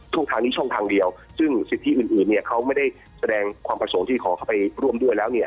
ทางนี้ช่องทางเดียวซึ่งสิทธิอื่นเนี่ยเขาไม่ได้แสดงความประสงค์ที่ขอเข้าไปร่วมด้วยแล้วเนี่ย